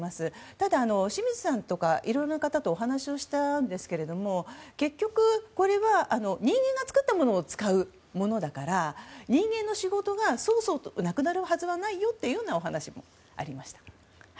ただ、清水さんとかいろいろな方とお話をしたんですけども結局これは人間が作ったものを使うわけだから人間の仕事がそもそもなくなるはずはないよというお話がありました。